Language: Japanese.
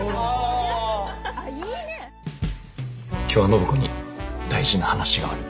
今日は暢子に大事な話がある。